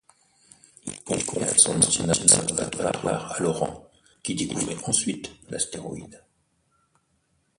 Il confia son ancien observatoire à Laurent, qui découvrit ensuite l'astéroïde.